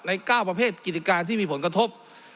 ๙ประเภทกิจการที่มีผลกระทบ